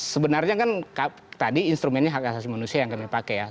sebenarnya kan tadi instrumennya hak asasi manusia yang kami pakai ya